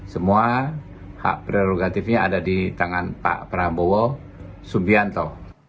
semua hak prerogatifnya ada di tangan pak prabowo subianto